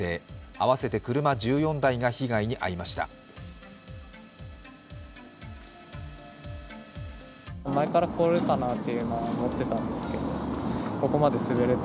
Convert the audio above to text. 合わせて車１４台が被害に遭いました。